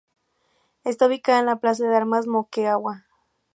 Esta ubicada en la plaza de armas de Moquegua.